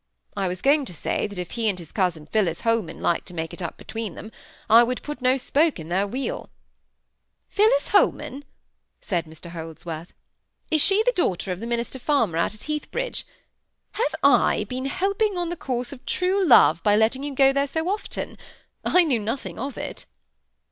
"I was going to say that if he and his cousin Phillis Holman liked to make it up between them, I would put no spoke in the wheel." "Phillis Holman!" said Mr Holdsworth. "Is she the daughter of the minister farmer out at Heathbridge? Have I been helping on the course of true love by letting you go there so often? I knew nothing of it."